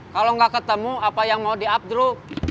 kalau nggak ketemu apa yang mau di up dulu